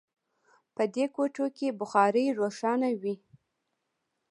په دې کوټو کې بخارۍ روښانه وي